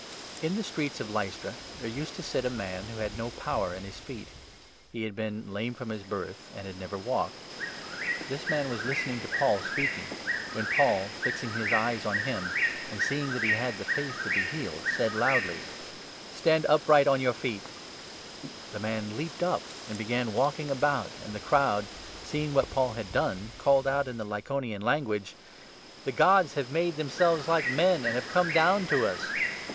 In the streets of Lystra there used to sit a 8 and Barnabas man who had no power in his feet ; he had been at Lystra. lame from his birth, and had never walked. This 9 man was listening to Paul speaking, when Paul, fixing his eyes on him, and seeing that he had the faith to be healed, said loudly :" Stand upright on your feet." 10 The man leaped up, and began walking about, and the n crowd, seeing what Paul had done, called out in the Lycaonian language : "The Gods have made themselves like men and have come down to us."